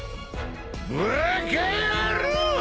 バーカ野郎！